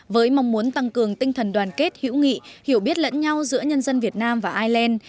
với mong muốn tăng cường tinh thần đoàn kết hữu nghị hiểu biết lẫn nhau giữa nhân dân việt nam và ireland